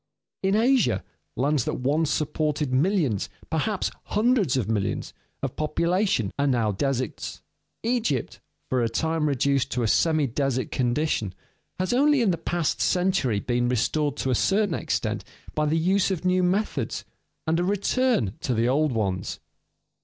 In Asia, lands that once supported millions, perhaps hundreds of millions, of population are now deserts. Egypt, for a time reduced to a semi desert condition, has only in the past century been restored to a certain extent by the use of new methods and a return to the old ones.